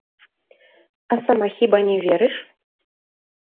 А сама хіба не верыш?